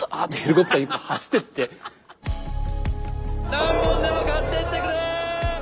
何本でも買ってってくれ。